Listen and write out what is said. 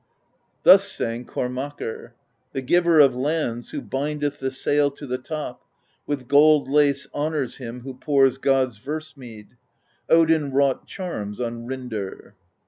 Thus sang Kormakr: The Giver of Lands, who bindeth The sail to the top, with gold lace Honors him who pours god's verse mead; Odin wrought charms on Rindr.